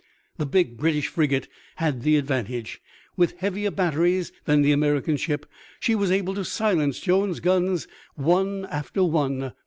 The big British frigate had the advantage. With heavier batteries than the American ship she was able to silence Jones' guns one after one.